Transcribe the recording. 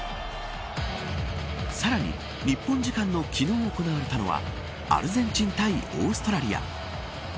さらに日本時間の昨日、行われたのはアルゼンチン対オーストラリア。